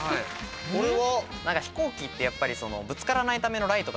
これは？